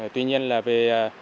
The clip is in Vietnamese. tuy nhiên là về